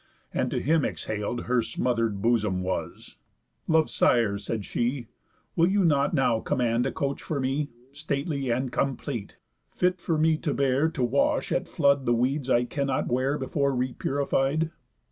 And to him exhal'd Her smother'd bosom was: "Lov'd sire," said she, "Will you not now command a coach for me, Stately and cómplete, fit for me to bear To wash at flood the weeds I cannot wear Before repurified?